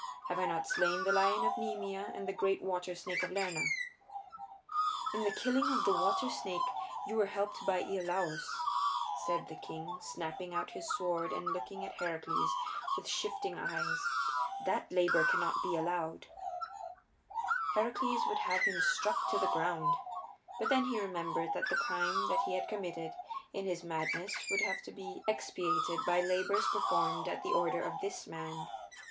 Have I not slain the lion of Nemea and the great water snake of Lerna?" "In the killing of the water snake you were helped by Iolaus," said the king, snapping out his words and looking at Heracles with shifting eyes. "That labor cannot be allowed you." Heracles would have struck him to the ground. But then he remembered that the crime that he had committed in his madness would have to be expiated by labors performed at the order of this man.